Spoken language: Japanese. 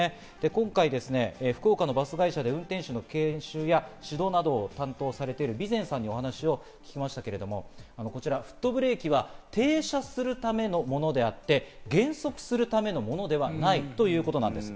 今回、福岡のバス会社で運転手の研修や指導などを担当されている備前さんにお話を聞きましたけど、こちらフットブレーキは停車するためのものであって、減速するためのものではないということなんです。